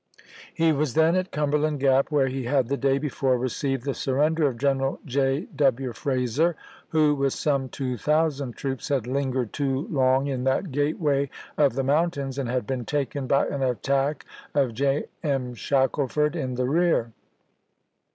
He md.fj. 55. was then at Cumberland G ap, where he had the day before received the surrender of General J. W. Frazer, who with some two thousand troops had lingered too long in that gateway of the mountains, and had been taken by an attack of J.M. Shackleford in the rear.